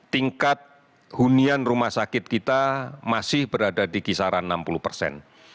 tingkat hunian rumah sakit kita masih berada di kisaran enam puluh persen